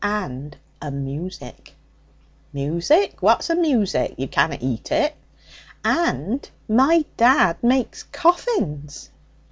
'And a music.' 'Music? What's a music? You canna eat it.' 'And my dad makes coffins.'